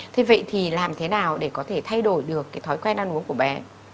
thế vậy thì làm thế nào để có thể thay đổi được cái thói quen ăn uống của bé